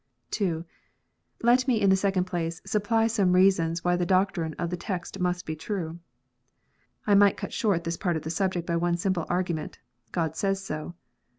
II. Let me, in the second place, supply some reasons irliy the. doctrine of the text must be true. I might cut short this part of the subject by one simple argument: "God says so."